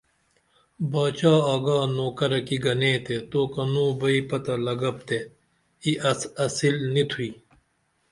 باچا آگا نوکرہ کی گنے تے توکی کنو بئی پتہ لگا تے ای اصیل نی تھوئی